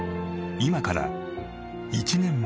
今から１年前。